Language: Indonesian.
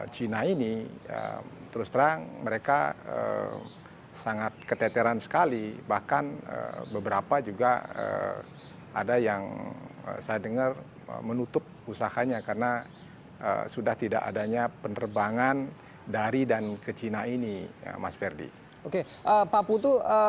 tentunya kami diasosiasi dari anggota kami yang sekitar delapan puluh bpw